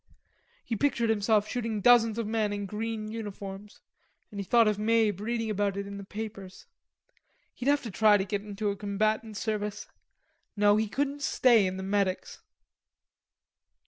He pictured himself shooting dozens of men in green uniforms, and he thought of Mabe reading about it in the papers. He'd have to try to get into a combatant service. No, he couldn't stay in the medics.